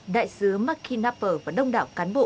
đại sứ mark knapper và đông đảo cán bộ